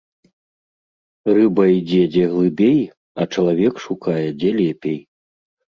Рыба ідзе, дзе глыбей, а чалавек шукае, дзе лепей.